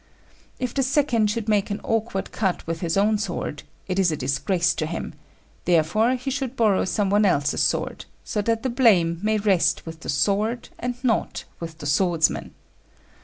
If the second should make an awkward cut with his own sword, it is a disgrace to him; therefore he should borrow some one else's sword, so that the blame may rest with the sword, and not with the swordsman.